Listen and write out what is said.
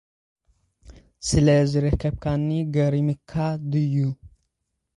ስለ ዝረኸብካኒ ገሪሙካ ድዩ?